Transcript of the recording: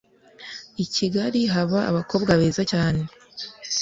ikigali haba abakobwa beza cyane